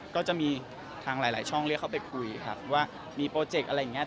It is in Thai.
ก็จะมีทางหลายช่องเรียกเข้าไปคุยครับว่ามีโปรเจกต์อะไรอย่างนี้